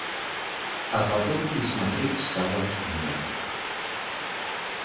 А потом и смотреть стало некуда.